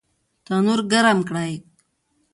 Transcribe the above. تنور ګرم کړئ